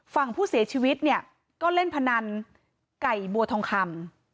ฝั่งผู้เสียชีวิตเนี่ยก็เล่นพนันไก่บัวทองคำ